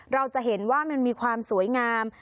เราจะเห็นว่ามันมีความสวยงาม